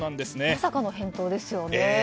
まさかの返答ですよね。